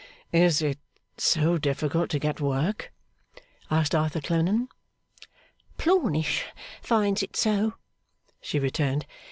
'Is it so difficult to get work?' asked Arthur Clennam. 'Plornish finds it so,' she returned.